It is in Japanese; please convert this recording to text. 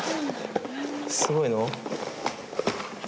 すごいの？